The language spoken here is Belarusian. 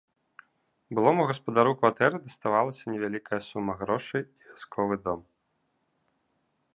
Былому гаспадару кватэры даставалася невялікая сума грошай і вясковы дом.